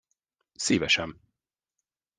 Szívesen.